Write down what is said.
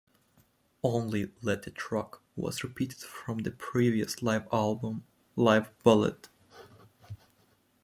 Only "Let It Rock" was repeated from the previous live album "Live Bullet".